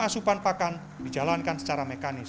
asupan pakan dijalankan secara mekanis